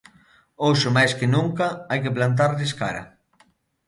Hoxe máis que nunca hai que plantarlles cara.